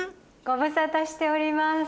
ご無沙汰しております。